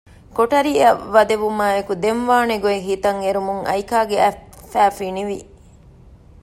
ކޮޓަރިއަށް ވަދެވުމާއެކު ދެން ވާނެގޮތް ހިތަށް އެރުމުން އައިކާގެ އަތްފައި ފިނިވި